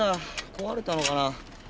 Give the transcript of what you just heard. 壊れたのかな。